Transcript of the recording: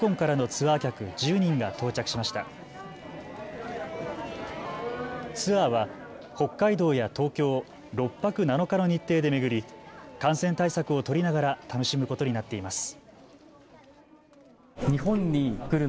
ツアーは北海道や東京を６泊７日の日程で巡り感染対策を取りながら楽しむことになっています。